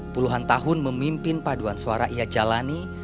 puluhan tahun memimpin paduan suara ia jalani